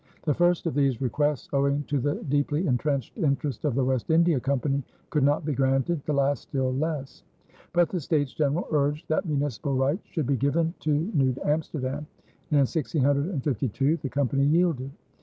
The first of these requests, owing to the deeply intrenched interest of the West India Company, could not be granted, the last still less. But the States General urged that municipal rights should be given to New Amsterdam, and in 1652 the Company yielded.